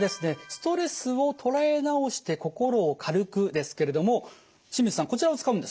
「ストレスをとらえなおして心を軽く」ですけれども清水さん